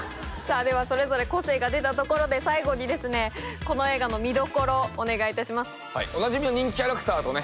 ではそれぞれ個性が出たところで最後にこの映画の見どころをお願いいたします。